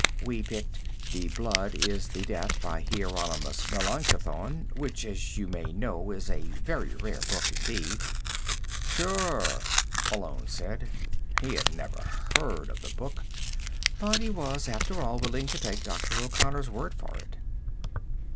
We picked 'The Blood is the Death,' by Hieronymus Melanchthon, which, as you may know, is a very rare book indeed." "Sure," Malone said. He had never heard of the book, but he was, after all, willing to take Dr. O'Connor's word for it.